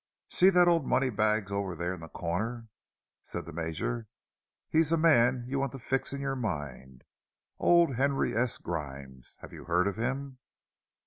"See that old money bags over there in the corner," said the Major. "He's a man you want to fix in your mind—old Henry S. Grimes. Have you heard of him?"